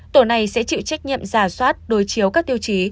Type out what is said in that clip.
tổ này sẽ chịu trách nhiệm ra soát đối chiếu các điều trí